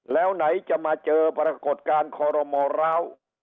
แล้วไหนจะมาเจอปรากฏการณ์คอรมอร้าว